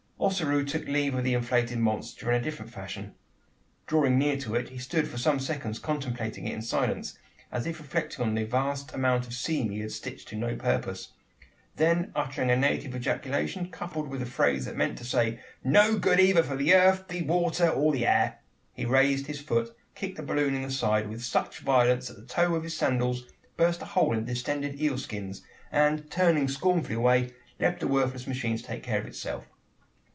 Ossaroo took leave of the inflated monster in a different fashion. Drawing near to it, he stood for some seconds contemplating it in silence as if reflecting on the vast amount of seam he had stitched to no purpose. Then uttering a native ejaculation, coupled with a phrase that meant to say, "No good either for the earth, the water, or the air," he raised his foot, kicked the balloon in the side with such violence that the toe of his sandals burst a hole in the distended eel skins; and, turning scornfully away, left the worthless machine to take care of itself.